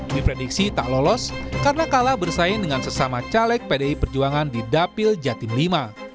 diprediksi tak lolos karena kalah bersaing dengan sesama caleg pdi perjuangan di dapil jatim v